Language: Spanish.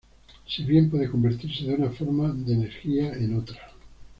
Si bien puede convertirse de una forma de energía en otra.